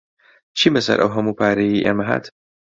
چی بەسەر ئەو هەموو پارەیەی ئێمە هات؟